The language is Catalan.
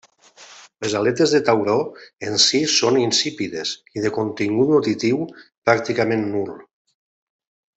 Les aletes de tauró en si són insípides i de contingut nutritiu pràcticament nul.